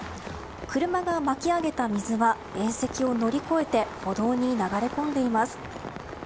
車がまき上げた水は縁石を乗り越えて歩道に流れ込んでいます。